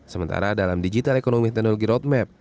sementara dalam digital economy technology roadmap